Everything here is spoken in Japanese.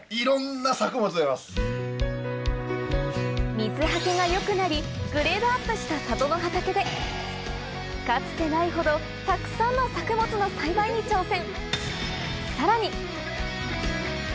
水はけが良くなりグレードアップした里の畑でかつてないほどたくさんの作物の栽培に挑戦！